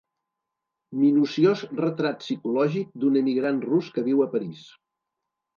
Minuciós retrat psicològic d'un emigrant rus que viu a París.